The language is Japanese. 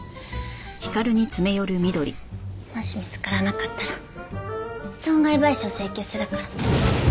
もし見つからなかったら損害賠償請求するから。